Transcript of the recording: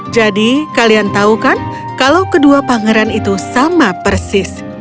jadi kalian tahu kan kalau kedua pangeran itu sama persis